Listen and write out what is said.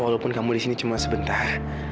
walaupun kamu disini cuma sebentar